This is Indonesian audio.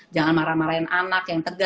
jangan marah marahin anak